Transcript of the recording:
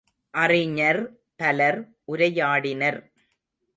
அறிஞர் பலர் உரையாடினர்.